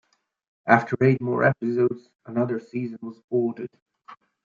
After eight more episodes, another season was ordered.